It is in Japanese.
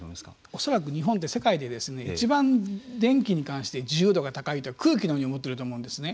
恐らく日本って世界でいちばん電気に関して重要度が高いと空気のように思っていると思うんですね。